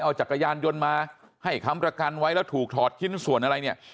เอาจักรยานยนต์มาให้ค้ำประกันไว้แล้วถูกถอดชิ้นส่วนอะไรเนี่ย